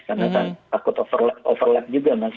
karena kan takut overlap juga mas